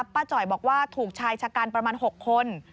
จ่อยบอกว่าถูกชายชะกันประมาณ๖คน